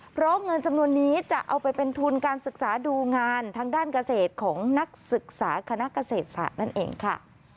เพราะเงินจำนวนนี้จะเอาไปเป็นทุนการศึกษาดูงานทางด้านเกษตรของนักศึกษาคณะเกษตรศาสตร์นั่นเองค่ะ